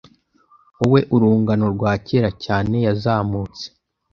Wowe urungano rwa kera cyane yazamutse